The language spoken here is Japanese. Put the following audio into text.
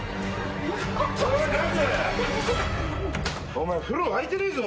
お前風呂沸いてねえぞ。